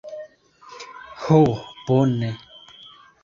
Ho bone.